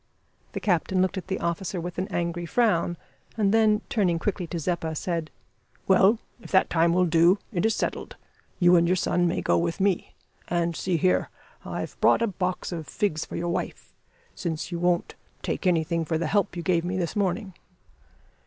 The captain looked at the officer with an angry frown, and then, turning quickly to Zeppa, said "Well, if that time will do, it is settled. You and your son may go with me. And, see here, I've brought a box of figs for your wife, since you won't take anything for the help you gave me this morning."